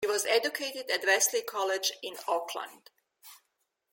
He was educated at Wesley College in Auckland.